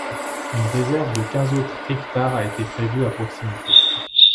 Une réserve de quinze autres hectares a été prévue à proximité.